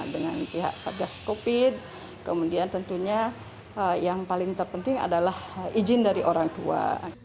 dengan pihak satgas covid kemudian tentunya yang paling terpenting adalah izin dari orang tua